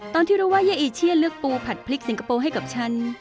ตอนที่รู้ว่าเย้อีเชียนเลือกปูผัดพริกสิงคโปร์ให้กับฉัน